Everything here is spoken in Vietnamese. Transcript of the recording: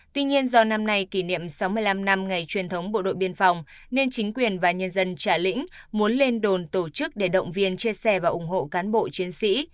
tuy nhiên do năm nay kỷ niệm sáu mươi năm năm ngày truyền thống bộ đội biên phòng nên chính quyền và nhân dân trà lĩnh muốn lên đồn tổ chức để động viên chia sẻ và ủng hộ cán bộ chiến sĩ